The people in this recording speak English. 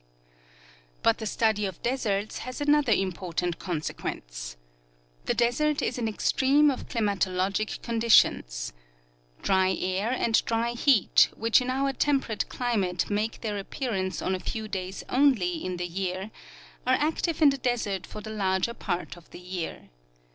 But the study of deserts has another imj^ortant consequence. The desert is an extreme of climatologic conditions. Dry air and dry heat, which in our temperate climate make their ap pearance on a few days only in the year, are active in the desert for the larger j^art of the year.